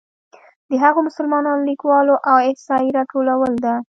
د هغو مسلمانو لیکوالو احصایې راټولول ده.